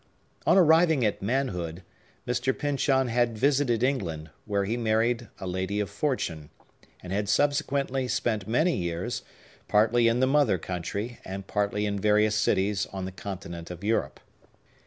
On arriving at manhood, Mr. Pyncheon had visited England, where he married a lady of fortune, and had subsequently spent many years, partly in the mother country, and partly in various cities on the continent of Europe.